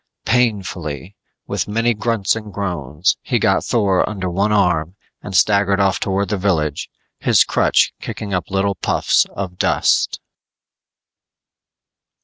Painfully, with many grunts and groans, he got Thor under one arm and staggered off towards the village, his crutch kicking up little puffs of dust.